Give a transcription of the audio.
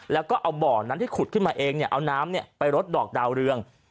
แล้วก็เอาบ่อนั้นที่ขุดขึ้นมาเองเอาน้ำไปรดดอกดาวเรือง